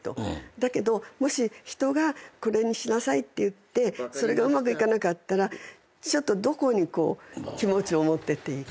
だけどもし人が「これにしなさい」って言ってそれがうまくいかなかったらちょっとどこに気持ちを持ってっていいか。